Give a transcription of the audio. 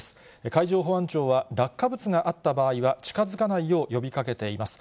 海上保安庁は、落下物があった場合は近づかないよう呼びかけています。